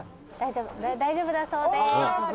「大丈夫だそうです！」